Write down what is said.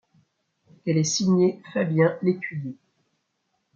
Elle est signée Fabien Lécuyer.